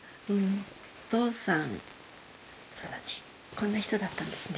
お父さんそうだねこんな人だったんですね。